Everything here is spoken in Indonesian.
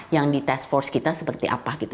yang di task force kita seperti apa gitu